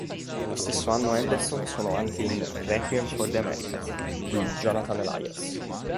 Nello stesso anno Anderson suonò anche in "Requiem for the Americas" di Jonathan Elias.